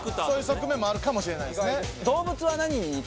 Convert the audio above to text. そういう側面もあるかもしれないですね。